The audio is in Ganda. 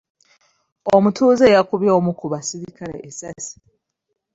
Omutuuze yakubye omu ku baserikale essaasi.